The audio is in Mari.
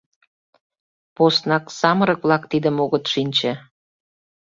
Поснак самырык-влак тидым огыт шинче.